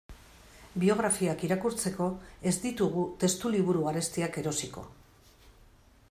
Biografiak irakurtzeko ez ditugu testuliburu garestiak erosiko.